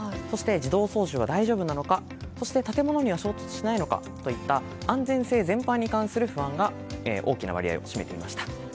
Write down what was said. そして、自動操縦は大丈夫なのかそして、建物には衝突しないのかといった安全性全般に関する不安が大きな割合を占めていました。